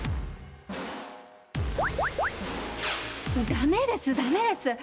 ダメですダメです！